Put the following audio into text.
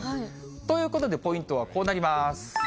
ということで、ポイントはこうなります。